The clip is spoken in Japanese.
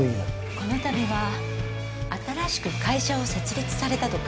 この度は新しく会社を設立されたとか？